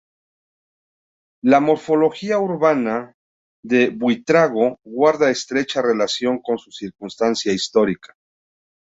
La morfología urbana de Buitrago guarda estrecha relación con su circunstancia histórica.